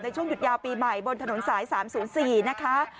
ช่วงหยุดยาวปีใหม่บนถนนสาย๓๐๔นะคะ